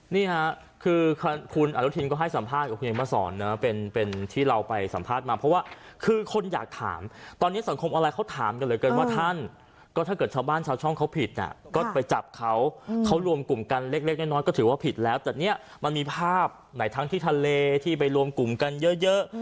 นี่ค่ะคือคุณอนุทินก็ให้สัมภาษณ์กับคุณเห็นมาสอนนะเป็นที่เราไปสัมภาษณ์มาเพราะว่าคือคนอยากถามตอนนี้สังคมออนไลน์เขาถามกันเหลือเกินว่าท่านก็ถ้าเกิดชาวบ้านชาวช่องเขาผิดก็ไปจับเขาเขารวมกลุ่มกันเล็กน้อยก็ถือว่าผิดแล้วแต่เนี่ยมันมีภาพไหนทั้งที่ทะเลที่ไปรวมกลุ่มกันเยอะ